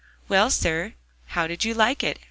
"Well, sir, how did you like it?"